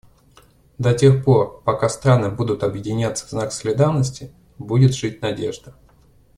До тех пор пока страны будут объединяться в знак солидарности, будет жить надежда.